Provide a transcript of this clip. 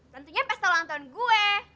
tentunya pesta lantauan gue